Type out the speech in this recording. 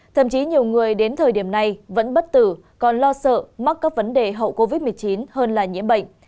thậm chí nhiều người đến thời điểm này vẫn bất tử còn lo sợ mắc các vấn đề hậu covid một mươi chín hơn là nhiễm bệnh